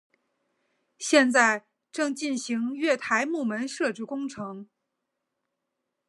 现在正进行月台幕门设置工程。